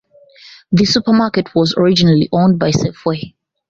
The supermarket was originally owned by Safeway.